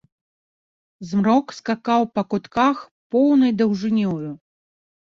Змрок скакаў па кутках поўнай даўжынёю.